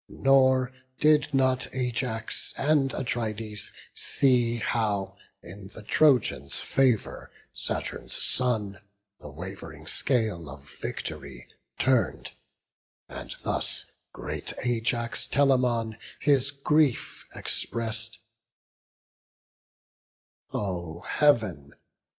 Nor did not Ajax and Atrides see How in the Trojans' favour Saturn's son The wav'ring scale of vict'ry turn'd; and thus Great Ajax Telamon his grief express'd: "O Heav'n!